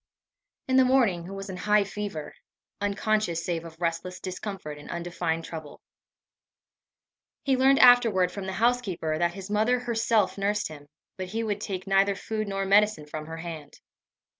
In the morning he was in a high fever unconscious save of restless discomfort and undefined trouble. He learned afterward from the housekeeper, that his mother herself nursed him, but he would take neither food nor medicine from her hand.